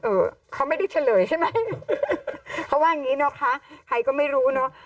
เออเขาไม่ได้เฉลยใช่ไหมเขาว่าอย่างงี้นะคะใครก็ไม่รู้เนอะ